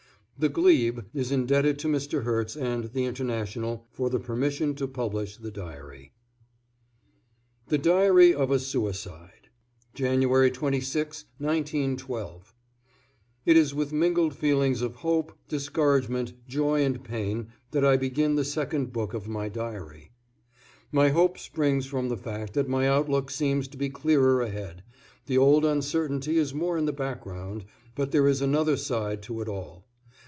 THE GLEBE is indebted to Mr. Herts and "The International" for the permission to publish the diary. THE DIARY OF A SUICIDE =, January 26, 1912.= It is with mingled feelings of hope, discouragement, joy and pain that I begin the second book of my diary. My hope springs from the fact that my outlook seems to be clearer ahead, the old uncertainty is more in the background, but there is another side to it all.